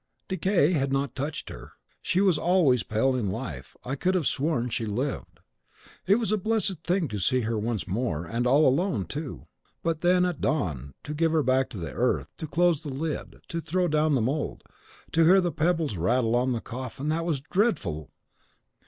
Decay had not touched her. She was always pale in life! I could have sworn she lived! It was a blessed thing to see her once more, and all alone too! But then, at dawn, to give her back to the earth, to close the lid, to throw down the mould, to hear the pebbles rattle on the coffin: that was dreadful!